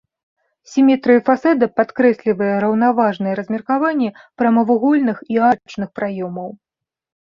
Сіметрыю фасада падкрэслівае раўнаважнае размеркаванне прамавугольных і арачных праёмаў.